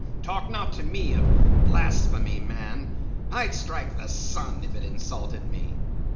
Talk not to me of blasphemy, man; I'd strike the sun if it insulted me.